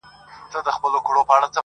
• زاهده زړه مي له نفرته صبرولای نه سم -